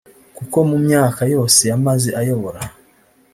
kuko mu myaka yose yamaze ayobora